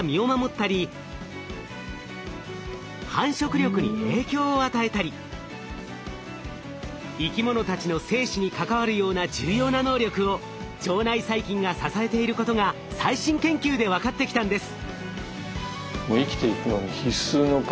繁殖力に影響を与えたり生き物たちの生死に関わるような重要な能力を腸内細菌が支えていることが最新研究で分かってきたんです。